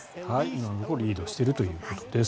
今のところリードしているということです。